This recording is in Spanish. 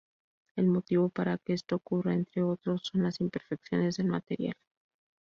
El motivo para que esto ocurra, entre otros, son las imperfecciones del material.